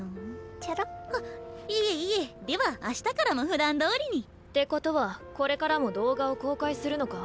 ハッいえいえでは明日からもふだんどおりに。ってことはこれからも動画を公開するのか？